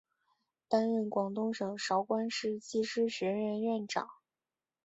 担任广东省韶关市技师学院院长。